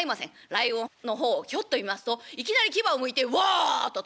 ライオンの方をひょっと見ますといきなり牙をむいてウォッと飛びついてきた。